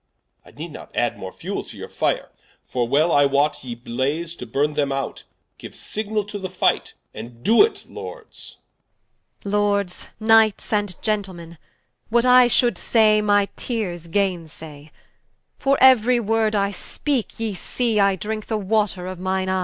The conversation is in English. I need not adde more fuell to your fire, For well I wot, ye blaze, to burne them out: Giue signall to the fight, and to it Lords Qu. Lords, Knights, and Gentlemen, what I should say, My teares gaine say: for euery word I speake, Ye see I drinke the water of my eye.